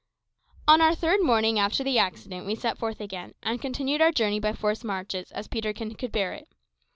On our third morning after the accident we set forth again, and continued our journey by forced marches as Peterkin could bear it.